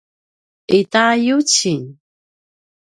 ita yucing